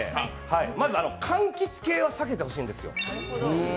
まず柑橘系は避けてほしいんですよ。